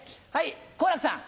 好楽さん。